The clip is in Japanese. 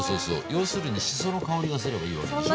要するにしその香りがすればいいわけでしょ。